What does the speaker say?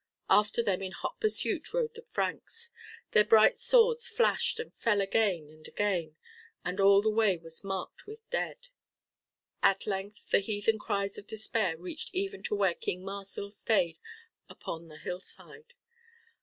After them in hot pursuit rode the Franks. Their bright swords flashed and fell again and again, and all the way was marked with dead. At length the heathen cries of despair reached even to where King Marsil stayed upon the hillside.